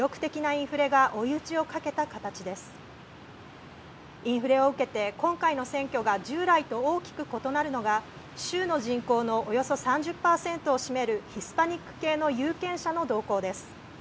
インフレを受けて今回の選挙が従来と大きく異なるのが州の人口のおよそ３０％を占めるヒスパニック系の有権者の動向です。